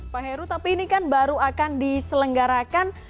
pak heru tapi ini kan baru akan diselenggarakan